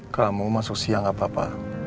kamu masuk siang gak apa apa